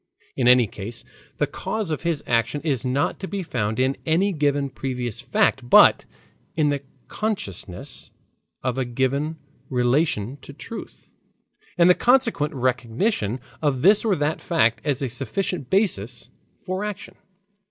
In any case, the cause of his action is not to be found in any given previous fact, but in the consciousness of a given relation to truth, and the consequent recognition of this or that fact as a sufficient basis for action.